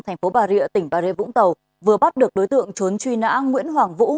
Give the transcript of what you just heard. tp bà rịa tỉnh bà rịa vũng tàu vừa bắt được đối tượng trốn truy nã nguyễn hoàng vũ